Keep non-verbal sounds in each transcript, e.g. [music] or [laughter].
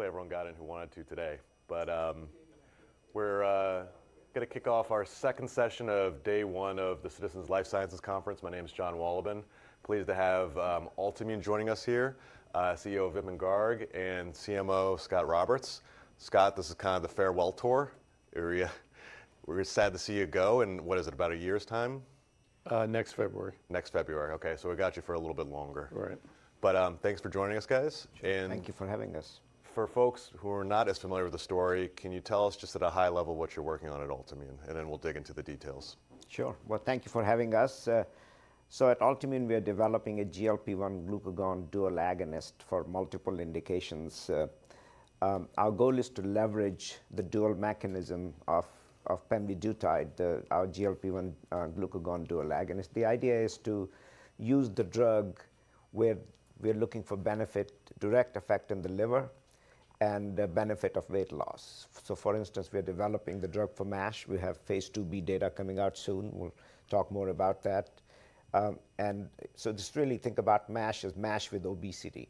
Hopefully everyone got in who wanted to today. We're going to kick off our second session of day one of the Citizens Life Sciences Conference. My name is John Wallabin. Pleased to have Altimmune joining us here, CEO Vipin Garg, and CMO Scot Roberts. Scot, this is kind of the farewell tour. We're sad to see you go. What is it, about a year's time? Next February. Next February. OK, so we've got you for a little bit longer. Right. Thanks for joining us, guys. Thank you for having us. For folks who are not as familiar with the story, can you tell us just at a high level what you're working on at Altimmune? Then we'll dig into the details. Sure. Thank you for having us. At Altimmune, we are developing a GLP-1 glucagon dual agonist for multiple indications. Our goal is to leverage the dual mechanism of pemvidutide, our GLP-1 glucagon dual agonist. The idea is to use the drug where we're looking for benefit, direct effect in the liver, and benefit of weight loss. For instance, we are developing the drug for MASH. We have phase IIb data coming out soon. We'll talk more about that. Just really think about MASH as MASH with obesity.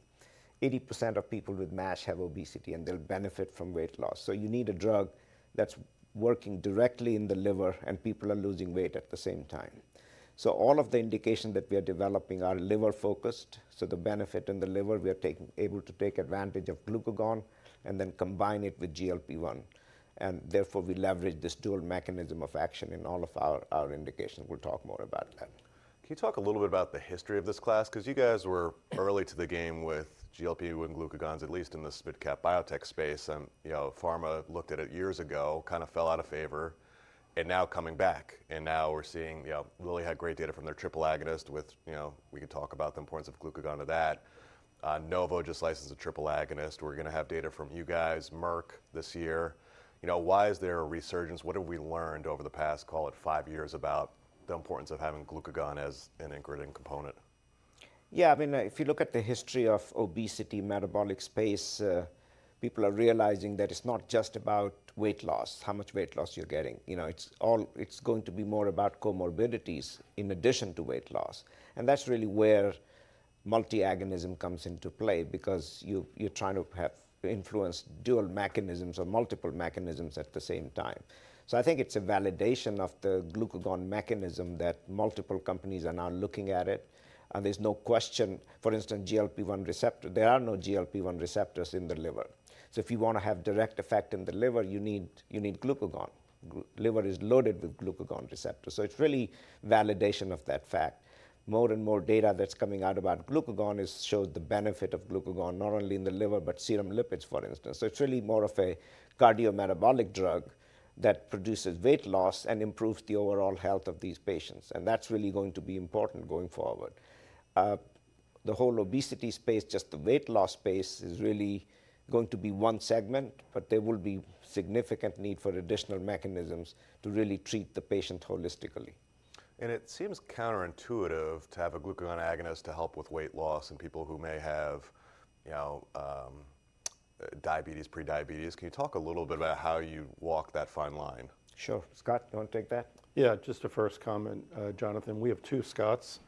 80% of people with MASH have obesity, and they'll benefit from weight loss. You need a drug that's working directly in the liver, and people are losing weight at the same time. All of the indications that we are developing are liver-focused. The benefit in the liver, we are able to take advantage of glucagon and then combine it with GLP-1. Therefore, we leverage this dual mechanism of action in all of our indications. We'll talk more about that. Can you talk a little bit about the history of this class? Because you guys were early to the game with GLP-1 glucagons, at least in the SMID Cap biotech space. Pharma looked at it years ago, kind of fell out of favor. Now coming back, and now we're seeing Lilly had great data from their triple agonist with, we can talk about the importance of glucagon to that. Novo just licensed a triple agonist. We're going to have data from you guys, Merck, this year. Why is there a resurgence? What have we learned over the past, call it, five years about the importance of having glucagon as an ingredient component? Yeah, I mean, if you look at the history of obesity, metabolic space, people are realizing that it's not just about weight loss, how much weight loss you're getting. It's going to be more about comorbidities in addition to weight loss. That's really where multi-agonism comes into play, because you're trying to influence dual mechanisms or multiple mechanisms at the same time. I think it's a validation of the glucagon mechanism that multiple companies are now looking at it. There's no question, for instance, GLP-1 receptor. There are no GLP-1 receptors in the liver. If you want to have direct effect in the liver, you need glucagon. The liver is loaded with glucagon receptors. It's really validation of that fact. More and more data that's coming out about glucagon shows the benefit of glucagon, not only in the liver, but serum lipids, for instance. It is really more of a cardiometabolic drug that produces weight loss and improves the overall health of these patients. That is really going to be important going forward. The whole obesity space, just the weight loss space, is really going to be one segment, but there will be significant need for additional mechanisms to really treat the patient holistically. It seems counterintuitive to have a glucagon agonist to help with weight loss in people who may have diabetes, prediabetes. Can you talk a little bit about how you walk that fine line? Sure. Scott, do you want to take that? Yeah, just a first comment, Jonathan. We have two Scotts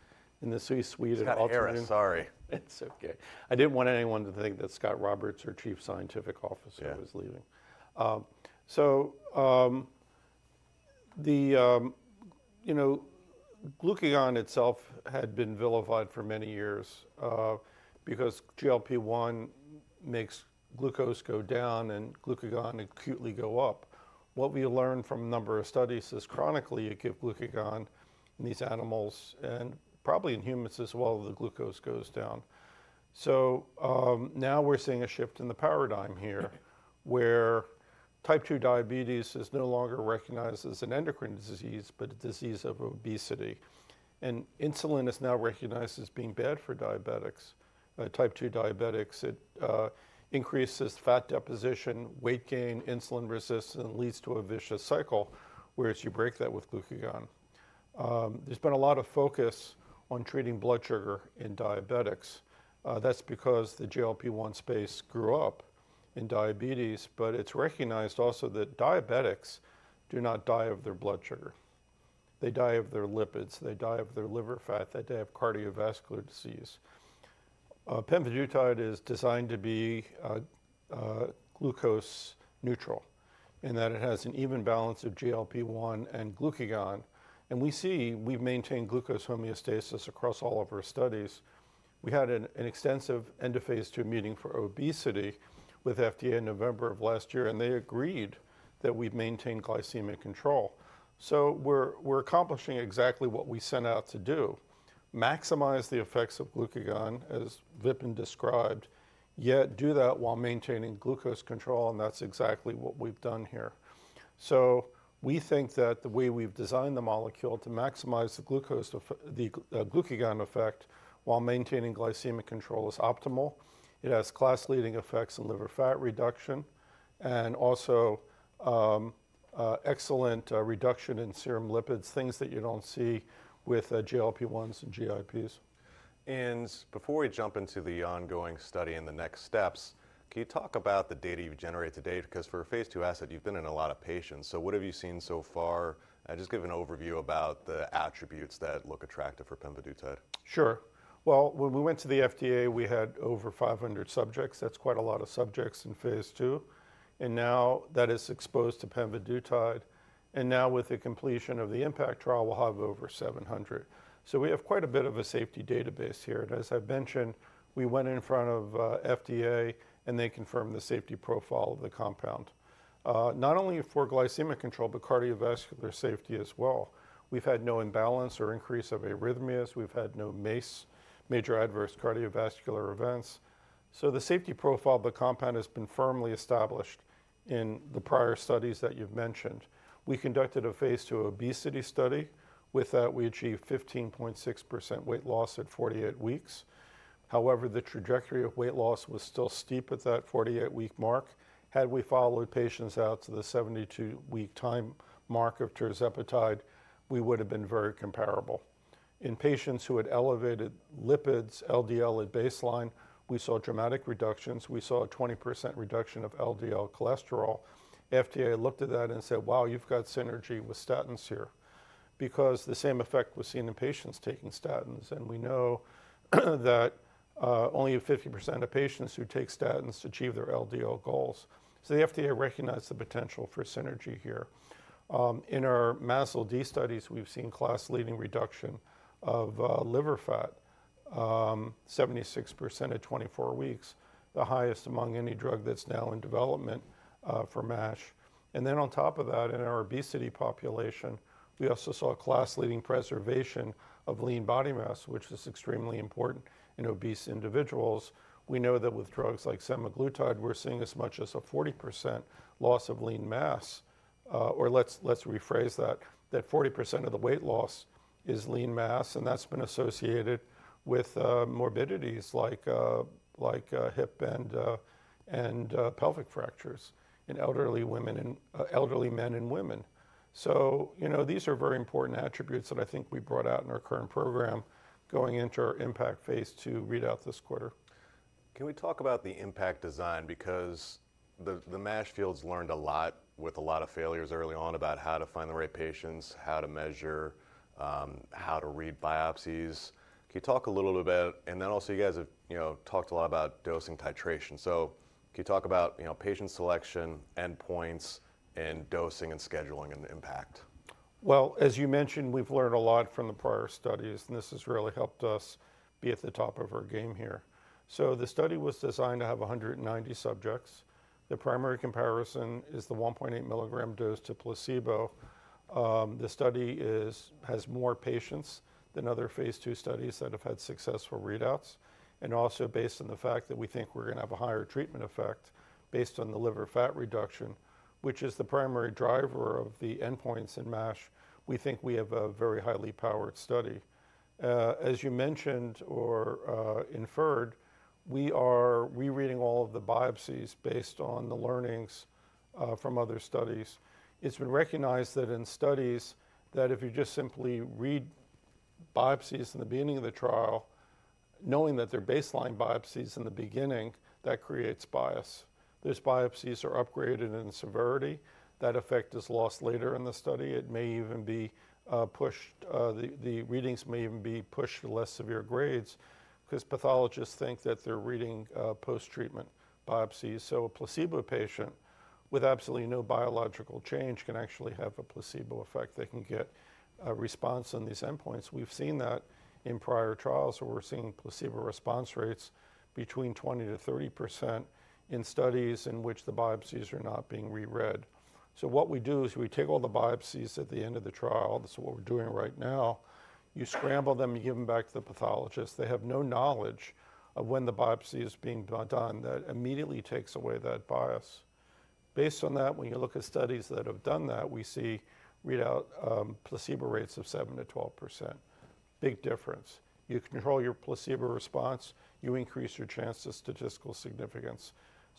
in this suite suite of Altimmune. Yeah, sorry. It's OK. I didn't want anyone to think that Scot Roberts or Chief Scientific Officer was leaving. The glucagon itself had been vilified for many years because GLP-1 makes glucose go down and glucagon acutely go up. What we learned from a number of studies is chronically you give glucagon in these animals, and probably in humans as well, the glucose goes down. Now we're seeing a shift in the paradigm here, where type 2 diabetes is no longer recognized as an endocrine disease, but a disease of obesity. Insulin is now recognized as being bad for diabetics. Type 2 diabetics, it increases fat deposition, weight gain, insulin resistance, and leads to a vicious cycle, whereas you break that with glucagon. There's been a lot of focus on treating blood sugar in diabetics. That's because the GLP-1 space grew up in diabetes. It is recognized also that diabetics do not die of their blood sugar. They die of their lipids. They die of their liver fat. They die of cardiovascular disease. Pemvidutide is designed to be glucose neutral, in that it has an even balance of GLP-1 and glucagon. We see we have maintained glucose homeostasis across all of our studies. We had an extensive end-of-phase two meeting for obesity with FDA in November of last year, and they agreed that we have maintained glycemic control. We are accomplishing exactly what we set out to do, maximize the effects of glucagon, as Vipin described, yet do that while maintaining glucose control. That is exactly what we have done here. We think that the way we have designed the molecule to maximize the glucagon effect while maintaining glycemic control is optimal. It has class-leading effects in liver fat reduction and also excellent reduction in serum lipids, things that you don't see with GLP-1s and GIPs. Before we jump into the ongoing study and the next steps, can you talk about the data you've generated to date? Because for a phase II asset, you've been in a lot of patients. What have you seen so far? Just give an overview about the attributes that look attractive for pemvidutide. Sure. When we went to the FDA, we had over 500 subjects. That's quite a lot of subjects in phase two. Now that is exposed to pemvidutide. Now with the completion of the IMPACT trial, we'll have over 700. We have quite a bit of a safety database here. As I've mentioned, we went in front of FDA, and they confirmed the safety profile of the compound, not only for glycemic control, but cardiovascular safety as well. We've had no imbalance or increase of arrhythmias. We've had no major adverse cardiovascular events. The safety profile of the compound has been firmly established in the prior studies that you've mentioned. We conducted a phase two obesity study. With that, we achieved 15.6% weight loss at 48 weeks. However, the trajectory of weight loss was still steep at that 48-week mark. Had we followed patients out to the 72-week time mark of tirzepatide, we would have been very comparable. In patients who had elevated lipids, LDL at baseline, we saw dramatic reductions. We saw a 20% reduction of LDL cholesterol. FDA looked at that and said, wow, you've got synergy with statins here, because the same effect was seen in patients taking statins. We know that only 50% of patients who take statins achieve their LDL goals. The FDA recognized the potential for synergy here. In our MASLD studies, we've seen class-leading reduction of liver fat, 76% at 24 weeks, the highest among any drug that's now in development for MASH. On top of that, in our obesity population, we also saw class-leading preservation of lean body mass, which is extremely important in obese individuals. We know that with drugs like semaglutide, we're seeing as much as a 40% loss of lean mass. Or let's rephrase that, that 40% of the weight loss is lean mass. And that's been associated with morbidities like hip and pelvic fractures in elderly men and women. These are very important attributes that I think we brought out in our current program going into our IMPACT phase II readout this quarter. Can we talk about the IMPACT design? Because the MASH field's learned a lot with a lot of failures early on about how to find the right patients, how to measure, how to read biopsies. Can you talk a little bit about, and then also you guys have talked a lot about dosing titration. Can you talk about patient selection, endpoints, and dosing and scheduling in IMPACT? As you mentioned, we've learned a lot from the prior studies. This has really helped us be at the top of our game here. The study was designed to have 190 subjects. The primary comparison is the 1.8 milligram dose to placebo. The study has more patients than other phase two studies that have had successful readouts, and also based on the fact that we think we're going to have a higher treatment effect based on the liver fat reduction, which is the primary driver of the endpoints in MASH, we think we have a very highly powered study. As you mentioned or inferred, we are rereading all of the biopsies based on the learnings from other studies. It's been recognized that in studies, that if you just simply read biopsies in the beginning of the trial, knowing that they're baseline biopsies in the beginning, that creates bias. Those biopsies are upgraded in severity. That effect is lost later in the study. It may even be pushed; the readings may even be pushed to less severe grades, because pathologists think that they're reading post-treatment biopsies. A placebo patient with absolutely no biological change can actually have a placebo effect. They can get a response on these endpoints. We've seen that in prior trials, where we're seeing placebo response rates between 20%-30% in studies in which the biopsies are not being reread. What we do is we take all the biopsies at the end of the trial. This is what we're doing right now. You scramble them. You give them back to the pathologist. They have no knowledge of when the biopsy is being done. That immediately takes away that bias. Based on that, when you look at studies that have done that, we see readout placebo rates of 7%-12%. Big difference. You control your placebo response. You increase your chance of statistical significance.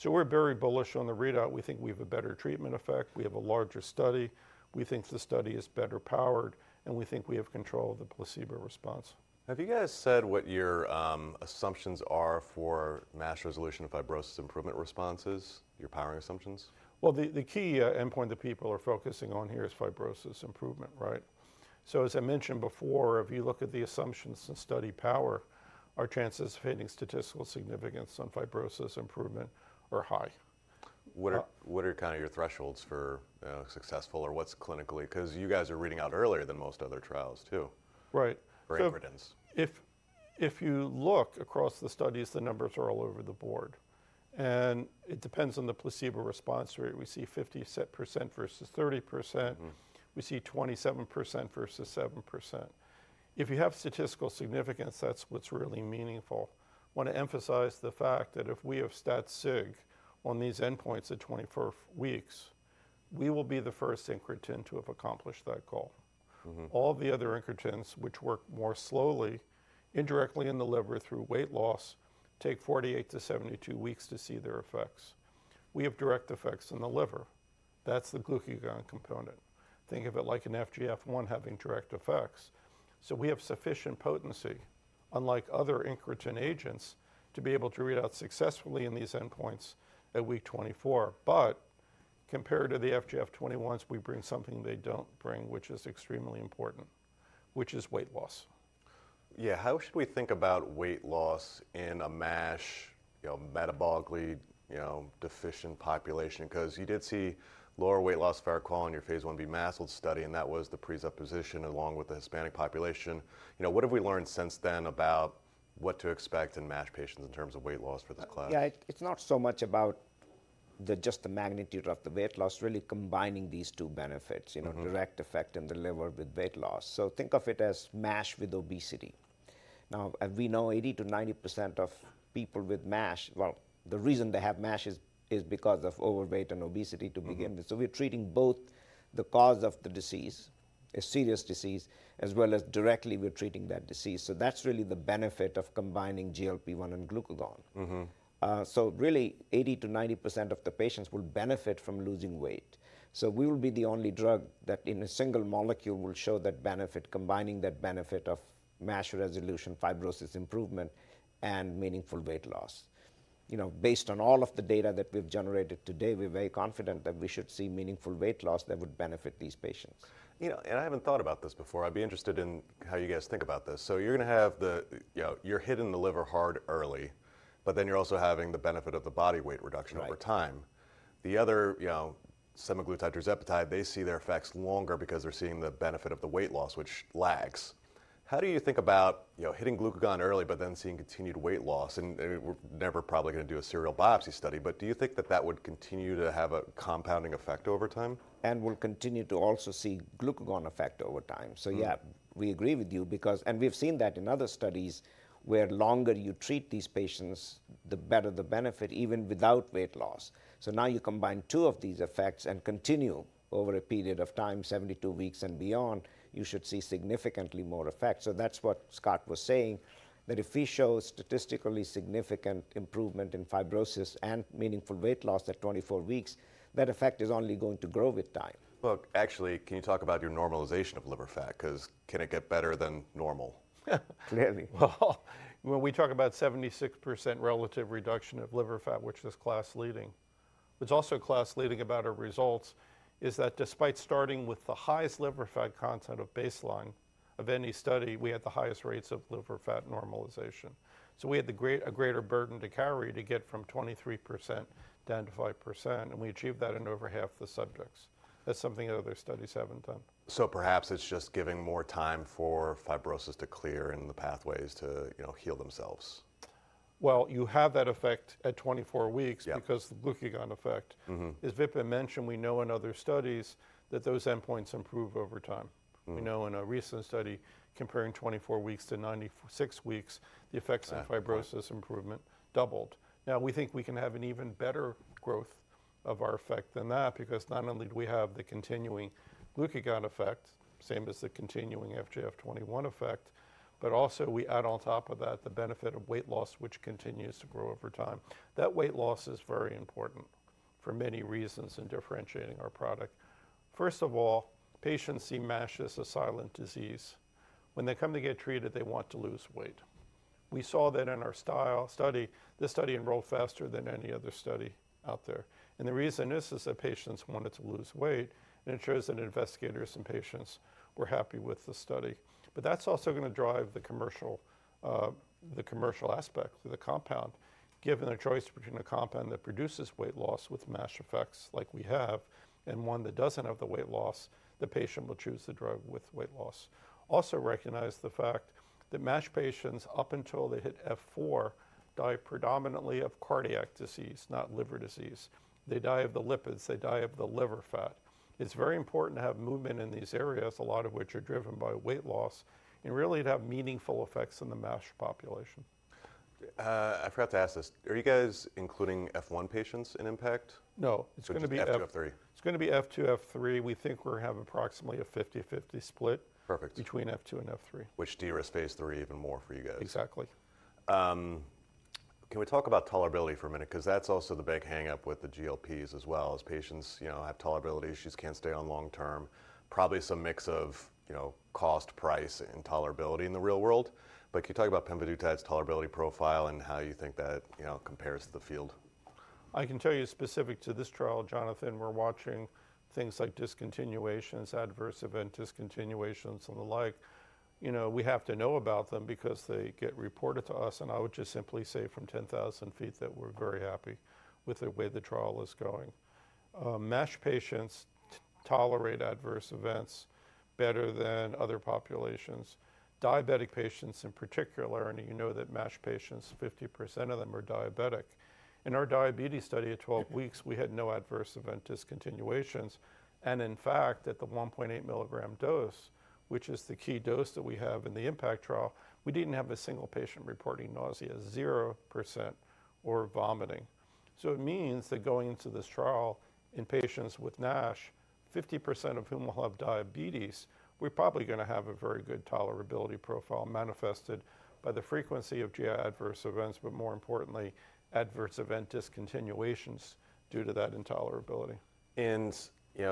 We are very bullish on the readout. We think we have a better treatment effect. We have a larger study. We think the study is better powered. We think we have control of the placebo response. Have you guys said what your assumptions are for MASH resolution and fibrosis improvement responses, your powering assumptions? The key endpoint that people are focusing on here is fibrosis improvement, right? As I mentioned before, if you look at the assumptions and study power, our chances of hitting statistical significance on fibrosis improvement are high. What are kind of your thresholds for successful, or what's clinically? Because you guys are reading out earlier than most other trials too. Right. For evidence. If you look across the studies, the numbers are all over the board. It depends on the placebo response rate. We see 50% versus 30%. We see 27% versus 7%. If you have statistical significance, that is what is really meaningful. I want to emphasize the fact that if we have stat SIG on these endpoints at 24 weeks, we will be the first incretin to have accomplished that goal. All the other incretins, which work more slowly, indirectly in the liver through weight loss, take 48 weeks-72 weeks to see their effects. We have direct effects in the liver. That is the glucagon component. Think of it like an FGF-1 having direct effects. We have sufficient potency, unlike other incretin agents, to be able to read out successfully in these endpoints at week 24. Compared to the FGF21s, we bring something they don't bring, which is extremely important, which is weight loss. Yeah, how should we think about weight loss in a MASH metabolically deficient population? Because you did see lower weight loss, fair quality, in your phase Ib MASLD study, and that was the presupposition along with the Hispanic population. What have we learned since then about what to expect in MASH patients in terms of weight loss for this class? Yeah, it's not so much about just the magnitude of the weight loss, really combining these two benefits, direct effect in the liver with weight loss. Think of it as MASH with obesity. Now, we know 80%-90% of people with MASH, the reason they have MASH is because of overweight and obesity to begin with. We are treating both the cause of the disease, a serious disease, as well as directly we are treating that disease. That's really the benefit of combining GLP-1 and glucagon. Really, 80%-90% of the patients will benefit from losing weight. We will be the only drug that in a single molecule will show that benefit, combining that benefit of MASH resolution, fibrosis improvement, and meaningful weight loss. Based on all of the data that we've generated today, we're very confident that we should see meaningful weight loss that would benefit these patients. I haven't thought about this before. I'd be interested in how you guys think about this. You're going to have the—you're hitting the liver hard early, but then you're also having the benefit of the body weight reduction over time. The other semaglutide, tirzepatide, they see their effects longer because they're seeing the benefit of the weight loss, which lags. How do you think about hitting glucagon early, but then seeing continued weight loss? We're never probably going to do a serial biopsy study, but do you think that would continue to have a compounding effect over time? We will continue to also see glucagon effect over time. Yeah, we agree with you, because we have seen that in other studies where the longer you treat these patients, the better the benefit, even without weight loss. Now you combine two of these effects and continue over a period of time, 72 weeks and beyond, you should see significantly more effect. That is what Scott was saying, that if we show statistically significant improvement in fibrosis and meaningful weight loss at 24 weeks, that effect is only going to grow with time. Look, actually, can you talk about your normalization of liver fat? Because can it get better than normal? Clearly. When we talk about 76% relative reduction of liver fat, which is class-leading, what's also class-leading about our results is that despite starting with the highest liver fat content at baseline of any study, we had the highest rates of liver fat normalization. We had a greater burden to carry to get from 23% down to 5%. We achieved that in over half the subjects. That's something other studies haven't done. Perhaps it's just giving more time for fibrosis to clear and the pathways to heal themselves. You have that effect at 24 weeks because of the glucagon effect. As Vipin mentioned, we know in other studies that those endpoints improve over time. We know in a recent study comparing 24 weeks to 96 weeks, the effects of fibrosis improvement doubled. Now, we think we can have an even better growth of our effect than that, because not only do we have the continuing glucagon effect, same as the continuing FGF21 effect, but also we add on top of that the benefit of weight loss, which continues to grow over time. That weight loss is very important for many reasons in differentiating our product. First of all, patients see MASH as a silent disease. When they come to get treated, they want to lose weight. We saw that in our study. This study enrolled faster than any other study out there. The reason is that patients wanted to lose weight. It shows that investigators and patients were happy with the study. That is also going to drive the commercial aspect of the compound. Given the choice between a compound that produces weight loss with MASH effects like we have and one that does not have the weight loss, the patient will choose the drug with weight loss. Also recognize the fact that MASH patients, up until they hit F4, die predominantly of cardiac disease, not liver disease. They die of the lipids. They die of the liver fat. It is very important to have movement in these areas, a lot of which are driven by weight loss, and really to have meaningful effects in the MASH population. I forgot to ask this. Are you guys including F1 patients in IMPACT? No. [crosstalk] It's going to be F2, F3. We think we're going to have approximately a 50/50 split between F2 and F3. Which derisks phase III even more for you guys. Exactly. Can we talk about tolerability for a minute? Because that's also the big hang-up with the GLPs as well, as patients have tolerability issues, can't stay on long term, probably some mix of cost, price, and tolerability in the real world. Can you talk about pemvidutide's tolerability profile and how you think that compares to the field? I can tell you specific to this trial, Jonathan, we're watching things like discontinuations, adverse event discontinuations, and the like. We have to know about them because they get reported to us. I would just simply say from 10,000 feet that we're very happy with the way the trial is going. MASH patients tolerate adverse events better than other populations. Diabetic patients in particular, and you know that MASH patients, 50% of them are diabetic. In our diabetes study at 12 weeks, we had no adverse event discontinuations. In fact, at the 1.8 mg dose, which is the key dose that we have in the IMPACT trial, we didn't have a single patient reporting nausea, 0%, or vomiting. It means that going into this trial in patients with NASH, 50% of whom will have diabetes, we're probably going to have a very good tolerability profile manifested by the frequency of GI adverse events, but more importantly, adverse event discontinuations due to that intolerability.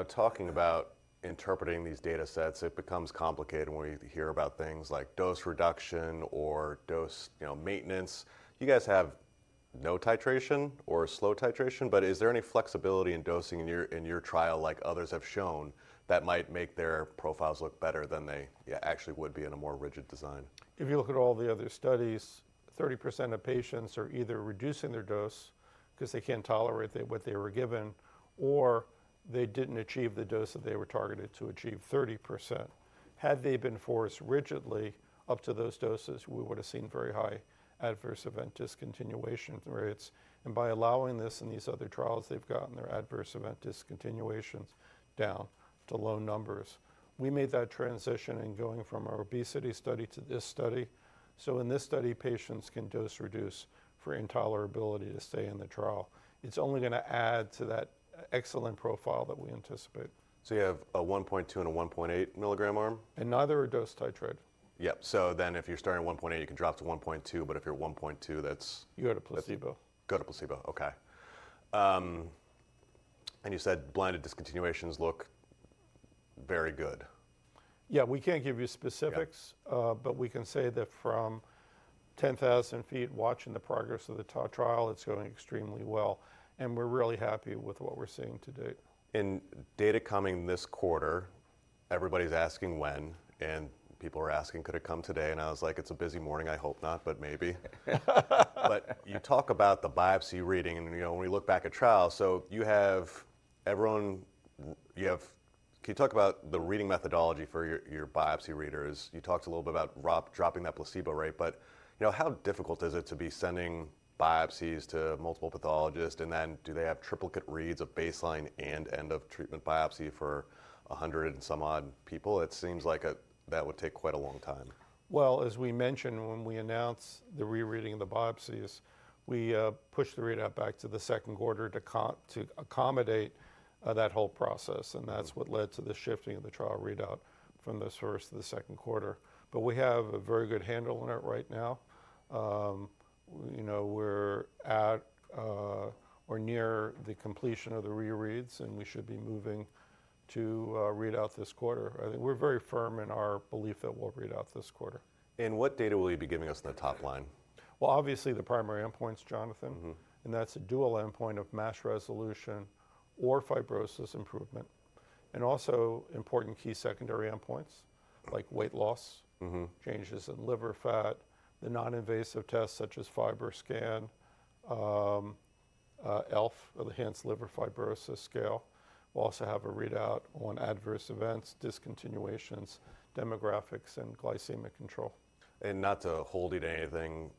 Talking about interpreting these data sets, it becomes complicated when we hear about things like dose reduction or dose maintenance. You guys have no titration or slow titration, but is there any flexibility in dosing in your trial, like others have shown, that might make their profiles look better than they actually would be in a more rigid design? If you look at all the other studies, 30% of patients are either reducing their dose because they can't tolerate what they were given, or they didn't achieve the dose that they were targeted to achieve, 30%. Had they been forced rigidly up to those doses, we would have seen very high adverse event discontinuation rates. By allowing this in these other trials, they've gotten their adverse event discontinuations down to low numbers. We made that transition in going from our obesity study to this study. In this study, patients can dose reduce for intolerability to stay in the trial. It's only going to add to that excellent profile that we anticipate. You have a 1.2 and a 1.8 milligram arm? Neither are dose titrated. Yeah, so then if you're starting at 1.8, you can drop to 1.2, but if you're 1.2, that's. You go to placebo. Go to placebo, OK. You said blinded discontinuations look very good. Yeah, we can't give you specifics, but we can say that from 10,000 feet, watching the progress of the trial, it's going extremely well. We're really happy with what we're seeing today. In data coming this quarter, everybody's asking when, and people are asking, could it come today? I was like, it's a busy morning. I hope not, but maybe. You talk about the biopsy reading. When we look back at trials, you have everyone. Can you talk about the reading methodology for your biopsy readers? You talked a little bit about dropping that placebo rate, but how difficult is it to be sending biopsies to multiple pathologists? Do they have triplicate reads of baseline and end-of-treatment biopsy for 100 and some odd people? It seems like that would take quite a long time. As we mentioned, when we announced the rereading of the biopsies, we pushed the readout back to the second quarter to accommodate that whole process. That is what led to the shifting of the trial readout from the first to the second quarter. We have a very good handle on it right now. We are at or near the completion of the rereads, and we should be moving to read out this quarter. I think we are very firm in our belief that we will read out this quarter. What data will you be giving us in the top line? Obviously the primary endpoints, Jonathan. That's a dual endpoint of MASH resolution or fibrosis improvement. Also important key secondary endpoints like weight loss, changes in liver fat, the noninvasive tests such as Fibr`oScan, ELF, Enhanced Liver Fibrosis Scale. We'll also have a readout on adverse events, discontinuations, demographics, and glycemic control. Not to hold you to anything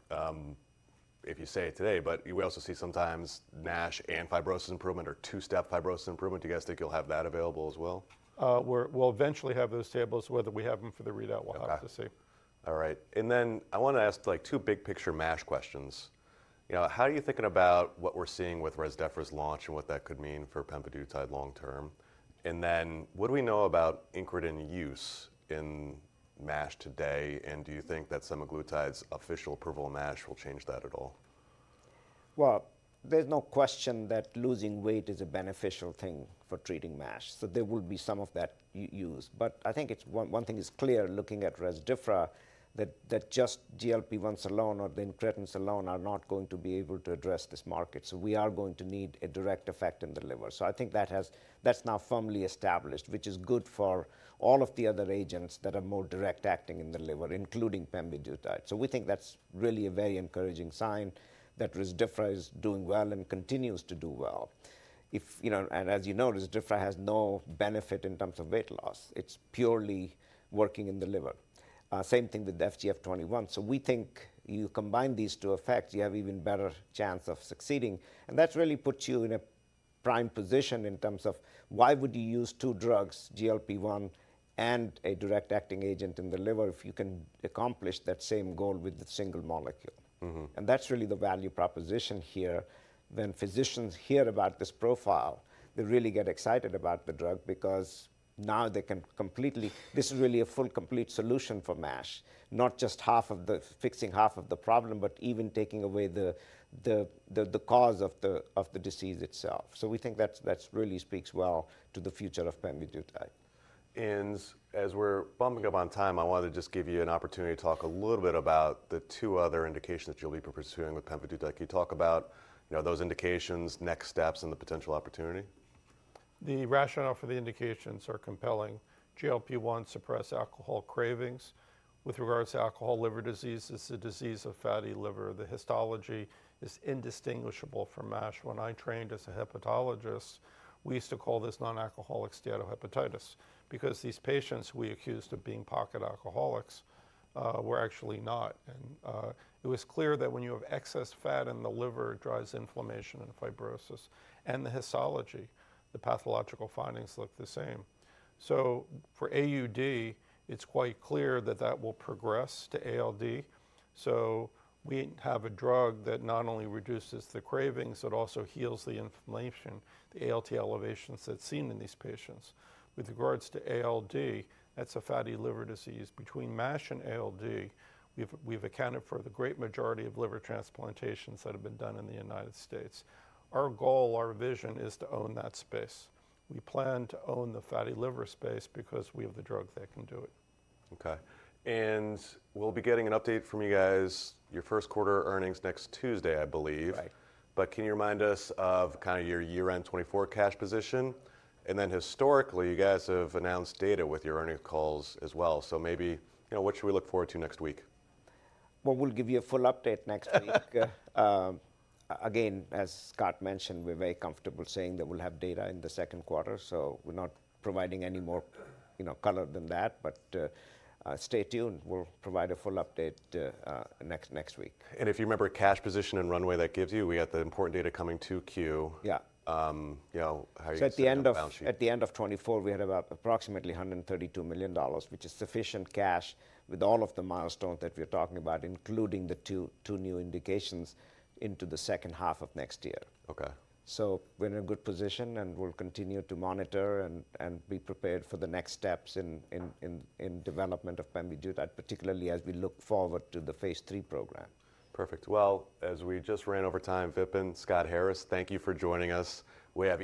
if you say it today, but we also see sometimes NASH and fibrosis improvement or two-step fibrosis improvement. Do you guys think you'll have that available as well? We'll eventually have those tables. Whether we have them for the readout, we'll have to see. All right. I want to ask two big picture MASH questions. How are you thinking about what we're seeing with Resmetirom's launch and what that could mean for pemvidutide long term? What do we know about incretin use in MASH today? Do you think that semaglutide's official approval in MASH will change that at all? There is no question that losing weight is a beneficial thing for treating MASH. There will be some of that use. I think one thing is clear, looking at Rezdiffra, that just GLP-1s alone or the incretins alone are not going to be able to address this market. We are going to need a direct effect in the liver. I think that is now firmly established, which is good for all of the other agents that are more direct acting in the liver, including pemvidutide. We think that is really a very encouraging sign that Rezdiffra is doing well and continues to do well. As you know, Rezdiffra has no benefit in terms of weight loss. It is purely working in the liver. Same thing with FGF21. We think if you combine these two effects, you have an even better chance of succeeding. That really puts you in a prime position in terms of why would you use two drugs, GLP-1 and a direct acting agent in the liver, if you can accomplish that same goal with a single molecule? That is really the value proposition here. When physicians hear about this profile, they really get excited about the drug because now they can completely, this is really a full complete solution for MASH, not just fixing half of the problem, but even taking away the cause of the disease itself. We think that really speaks well to the future of pemvidutide. As we're bumping up on time, I wanted to just give you an opportunity to talk a little bit about the two other indications that you'll be pursuing with pemvidutide. Can you talk about those indications, next steps, and the potential opportunity? The rationale for the indications are compelling. GLP-1s suppress alcohol cravings. With regards to alcohol liver disease, it's a disease of fatty liver. The histology is indistinguishable from MASH. When I trained as a hepatologist, we used to call this nonalcoholic steatohepatitis because these patients we accused of being pocket alcoholics were actually not. It was clear that when you have excess fat in the liver, it drives inflammation and fibrosis. The histology, the pathological findings look the same. For AUD, it's quite clear that that will progress to ALD. We have a drug that not only reduces the cravings, it also heals the inflammation, the ALT elevations that's seen in these patients. With regards to ALD, that's a fatty liver disease. Between MASH and ALD, we've accounted for the great majority of liver transplantations that have been done in the United States. Our goal, our vision is to own that space. We plan to own the fatty liver space because we have the drug that can do it. OK. We'll be getting an update from you guys, your first quarter earnings next Tuesday, I believe. Can you remind us of kind of your year-end 2024 cash position? Historically, you guys have announced data with your earnings calls as well. Maybe what should we look forward to next week? We will give you a full update next week. Again, as Scott mentioned, we are very comfortable saying that we will have data in the second quarter. We are not providing any more color than that. Stay tuned. We will provide a full update next week. If you remember cash position and runway that gives you, we got the important data coming 2Q. Yeah. How are you expecting the balance sheet? At the end of 2024, we had approximately $132 million, which is sufficient cash with all of the milestones that we're talking about, including the two new indications into the second half of next year. OK. We're in a good position, and we'll continue to monitor and be prepared for the next steps in development of Pemvidutide, particularly as we look forward to the phase three program. Perfect. As we just ran over time, Vipin, Scott Harris, thank you for joining us. We have.